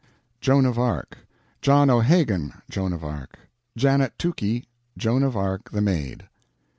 Joan of Arc. JOHN O'HAGAN, Joan of Arc. JANET TUCKEY, Joan of Arc the Maid.